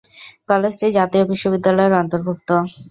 কলেজটি জাতীয় বিশ্ববিদ্যালয়ের অন্তর্ভুক্ত।